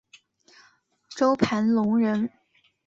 周盘龙人。